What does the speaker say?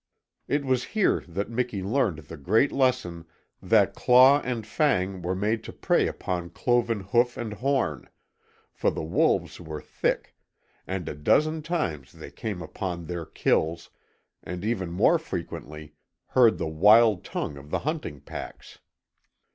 It was here that Miki learned the great lesson that claw and fang were made to prey upon cloven hoof and horn, for the wolves were thick, and a dozen times they came upon their kills, and even more frequently heard the wild tongue of the hunting packs.